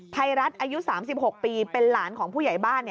ภัยรัฐอายุ๓๖ปีเป็นหลานของผู้ใหญ่บ้าน